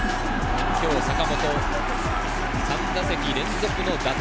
今日、坂本３打席連続の打点。